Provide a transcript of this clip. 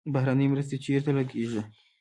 بهرنۍ مرستې چیرته لګیږي؟